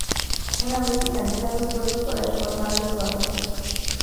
Una vez finalizados, vuelve para formar Desorden.